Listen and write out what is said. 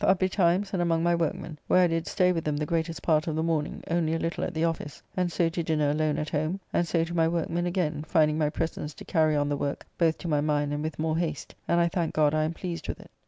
Up betimes and among my workmen, where I did stay with them the greatest part of the morning, only a little at the office, and so to dinner alone at home, and so to my workmen again, finding my presence to carry on the work both to my mind and with more haste, and I thank God I am pleased with it.